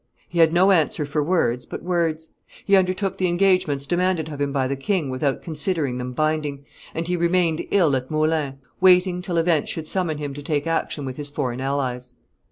He had no answer for words but words; he undertook the engagements demanded of him by the king without considering them binding; and he remained ill at Moulins, waiting till events should summon him to take action with his foreign allies.